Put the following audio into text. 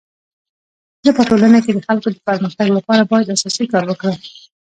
زه په ټولنه کي د خلکو د پرمختګ لپاره باید اساسي کار وکړم.